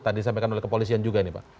tadi disampaikan oleh kepolisian juga ini pak